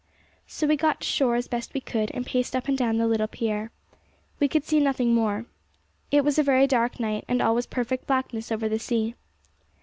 So we got to shore as best we could, and paced up and down the little pier. We could see nothing more. It was a very dark night, and all was perfect blackness over the sea.